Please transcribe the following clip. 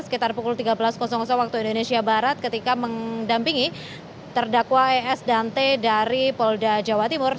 sekitar pukul tiga belas waktu indonesia barat ketika mendampingi terdakwa es dan t dari polda jawa timur